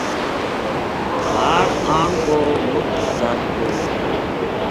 ہاڑ آن کو بے مُچ ڈر تھو